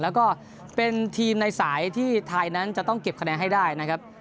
แล้วก็เป็นทีมในสายที่ไทยนั้นจะต้องเก็บคะแนนให้ได้นะครับ